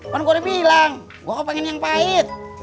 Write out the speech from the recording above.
kan gue udah bilang gue pengen yang pahit